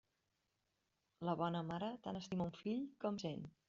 La bona mare, tant estima un fill com cent.